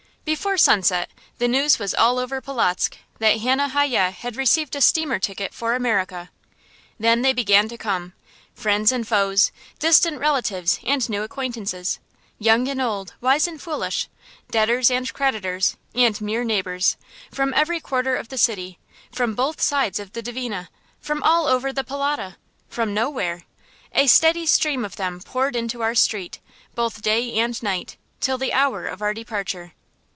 Before sunset the news was all over Polotzk that Hannah Hayye had received a steamer ticket for America. Then they began to come. Friends and foes, distant relatives and new acquaintances, young and old, wise and foolish, debtors and creditors, and mere neighbors, from every quarter of the city, from both sides of the Dvina, from over the Polota, from nowhere, a steady stream of them poured into our street, both day and night, till the hour of our departure.